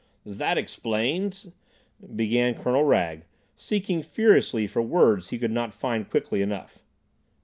"That explains—" began Colonel Wragge, seeking furiously for words he could not find quickly enough.